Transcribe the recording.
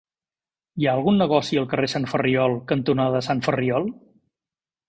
Hi ha algun negoci al carrer Sant Ferriol cantonada Sant Ferriol?